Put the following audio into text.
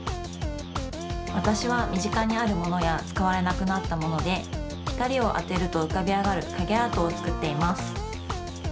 わたしはみぢかにあるものやつかわれなくなったものでひかりをあてるとうかびあがるかげアートをつくっています。